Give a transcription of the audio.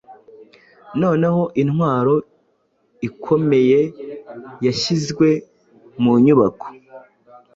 Noneho intwaro ikomeyeyashyizwe mu nyubako